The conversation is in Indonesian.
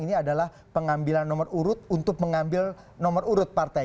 ini adalah pengambilan nomor urut untuk mengambil nomor urut partai